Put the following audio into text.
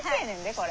これ。